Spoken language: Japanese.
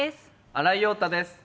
新井庸太です。